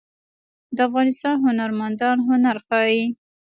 د افغانستان هنرمندان هنر ښيي